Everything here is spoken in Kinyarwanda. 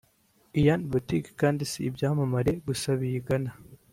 Ian Boutique kandi si ibyamamare gusa biyigana